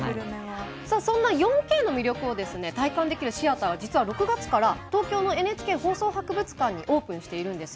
そんな４Ｋの魅力を体感できるシアターが６月からＮＨＫの放送博物館にオープンしているんです。